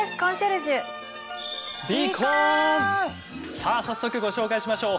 さあ早速ご紹介しましょう。